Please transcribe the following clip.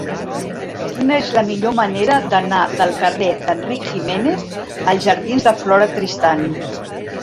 Quina és la millor manera d'anar del carrer d'Enric Giménez als jardins de Flora Tristán?